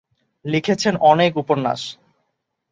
লিখেছেন অনেক উপন্যাস।